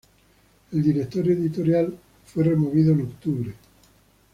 El director editorial de fue removido en octubre.